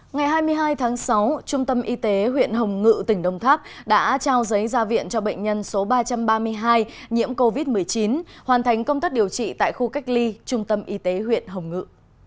ngày hai mươi hai tháng sáu trung tâm y tế huyện hồng ngự tỉnh đồng tháp đã trao giấy ra viện cho bệnh nhân số ba trăm ba mươi hai nhiễm covid một mươi chín hoàn thành công tất điều trị tại khu cách ly trung tâm y tế huyện hồng ngự